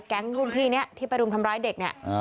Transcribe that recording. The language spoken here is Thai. แก๊งรุ่นพี่นี้ที่ไปรุมทำร้ายเด็กเนี่ย